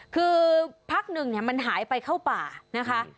คือพักหนึ่งมันหายไปเข้าป่านะคะ